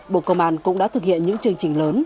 bộ công an cũng đã thực hiện những chương trình lớn